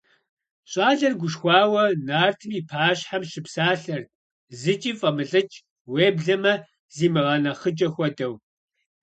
ЩӀалэр гушхуауэ нартым и пащхьэм щыпсалъэрт, зыкӀи фӀэмылӀыкӀ, уеблэмэ зимыгъэнэхъыкӀэ хуэдэу.